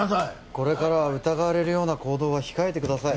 これからは疑われるような行動は控えてください